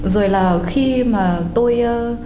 rồi là khi mà tôi